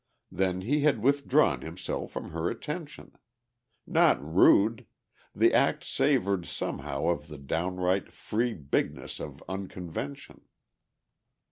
Then he had withdrawn himself from her attention. Not rude, the act savoured somehow of the downright free bigness of unconvention.